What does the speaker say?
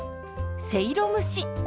せいろ蒸し。